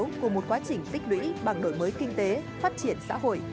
của một quá trình tích lũy bằng đổi mới kinh tế phát triển xã hội